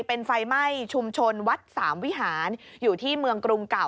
เป็นไฟไหม้ชุมชนวัดสามวิหารอยู่ที่เมืองกรุงเก่า